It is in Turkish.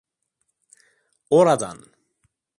Oradan…